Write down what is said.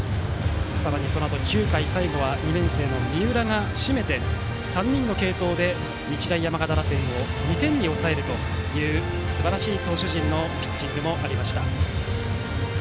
さらにそのあと９回最後は２年生の三浦が締めて３人の継投で日大山形打線を２点に抑えるというすばらしい投手陣のピッチングもありました。